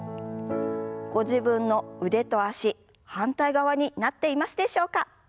ご自分の腕と脚反対側になっていますでしょうか？